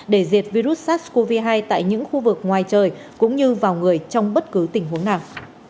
để diệt virus sars cov hai tại những khu vực ngoài trời cũng như vào người trong bất cứ tình huống nào